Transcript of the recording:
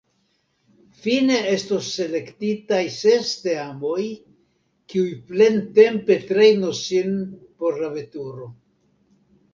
Fine estos selektitaj ses teamoj, kiuj plentempe trejnos sin por la veturo.